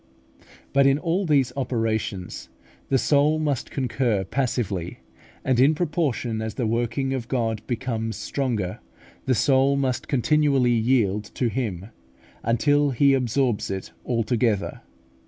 But in all these operations the soul must concur passively, and in proportion as the working of God becomes stronger, the soul must continually yield to Him, until He absorbs it altogether.